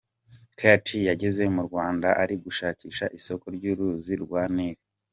Kandt yageze mu Rwanda ari gushakisha isoko y’uruzi rwa Nil.